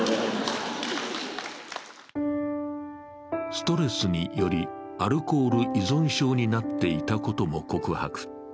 ストレスによりアルコール依存症になっていたことも告白。